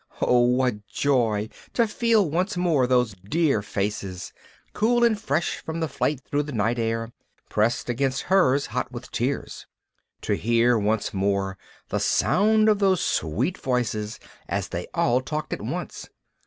Oh! what joy to feel once more those dear faces, cool and fresh from the flight through the night air, pressed against hers, hot with tears; to hear once more the sound of those sweet voices as they all talked at once.